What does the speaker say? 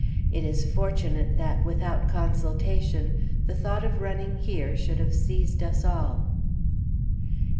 It is fortunate that, without consultation, the thought of running here should have seized us all.